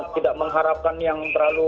tidak mengharapkan yang terlalu